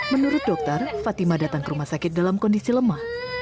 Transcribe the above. menurut dokter fatima datang ke rumah sakit dalam kondisi lemah